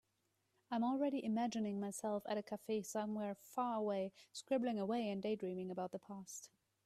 I am already imagining myself at a cafe somewhere far away, scribbling away and daydreaming about the past.